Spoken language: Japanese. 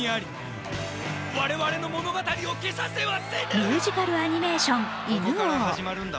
ミュージカルアニメーション「犬王」。